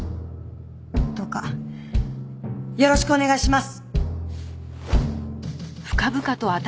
どうかよろしくお願いします！